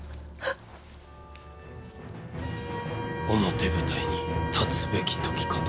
表舞台に立つべき時かと。